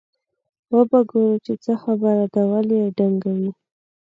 وبه ګورو چې څه خبره ده ولې یې ډنګوي.